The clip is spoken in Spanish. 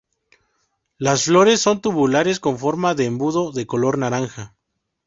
Las flores son tubulares con forma de embudo de color naranja.